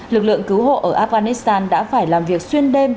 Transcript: lực lượng cứu hộ ở afghanistan đã phải làm việc xuyên đêm